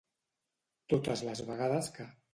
Totes les vegades que.